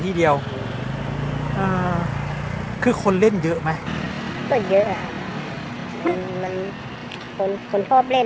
ที่เดียวอ่าคือคนเล่นเยอะไหมก็เยอะมันมันคนคนชอบเล่น